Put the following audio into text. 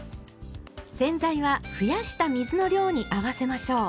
洗剤は増やした水の量に合わせましょう。